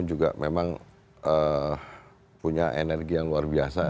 juga memang punya energi yang luar biasa